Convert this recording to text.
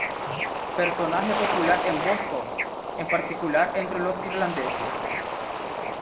Personaje popular en Boston, en particular entre los irlandeses.